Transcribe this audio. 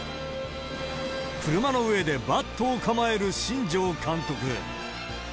車の上でバットを構える新庄監督。